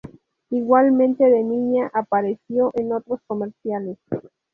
Igualmente de niña apareció en otros comerciales.